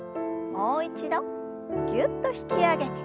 もう一度ぎゅっと引き上げて。